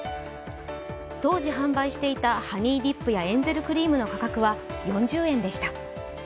当時、販売していたハニーディップやエンゼルクリームの価格は４０円でした。